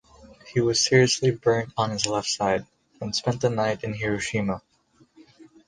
He was seriously burnt on his left side and spent the night in Hiroshima.